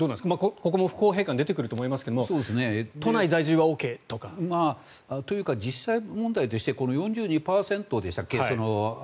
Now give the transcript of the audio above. ここも不公平感が出てくると思いますが都内在住はＯＫとか。というか、実際問題としてこの４２％でしたっけ？